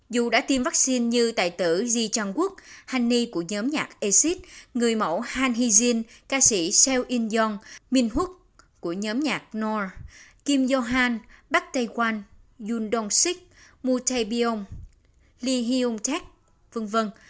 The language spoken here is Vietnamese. dù đã tiêm vaccine như tài tử ji chang wook hani của nhóm nhạc a sid người mẫu han hee jin ca sĩ seo in yong min huk của nhóm nhạc north kim yo han park tae kwan yoon dong sik mu tae pyeong lee hyun taek v v